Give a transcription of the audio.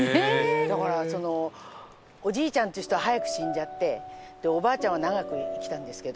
だからそのおじいちゃんっていう人は早く死んじゃっておばあちゃんは長く生きたんですけど。